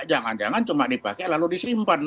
jangan jangan cuma dipakai lalu disimpan